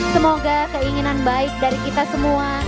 semoga keinginan baik dari kita semua